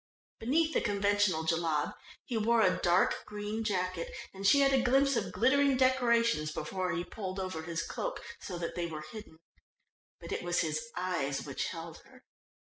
Beneath the conventional jellab he wore a dark green jacket, and she had a glimpse of glittering decorations before he pulled over his cloak so that they were hidden. But it was his eyes which held her.